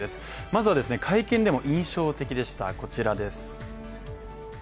まずは会見でも印象的でした、こちらです。